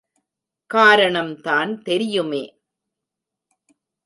காரணம் தான் தெரியுமே.